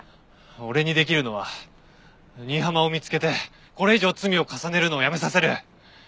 俺にできるのは新浜を見つけてこれ以上罪を重ねるのをやめさせる。